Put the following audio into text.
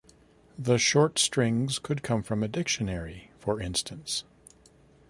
The short strings could come from a dictionary, for instance.